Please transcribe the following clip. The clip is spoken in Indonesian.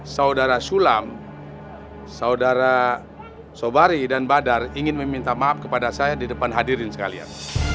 saudara sulam saudara sobari dan badar ingin meminta maaf kepada saya di depan hadirin sekalian